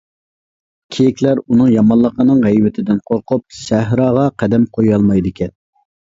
كېيىكلەر ئۇنىڭ يامانلىقىنىڭ ھەيۋىتىدىن قورقۇپ سەھراغا قەدەم قويالمايدىكەن.